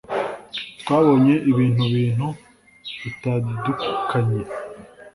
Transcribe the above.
twabonye ibintu bintu bitadukanye